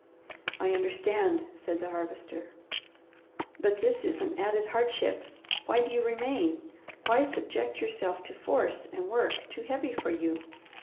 "I understand," said the Harvester. "But this is an added hardship. Why do you remain? Why subject yourself to force and work too heavy for you?"